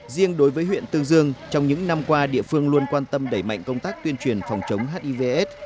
riêng đối với huyện tương dương trong những năm qua địa phương luôn quan tâm đẩy mạnh công tác tuyên truyền phòng chống hivs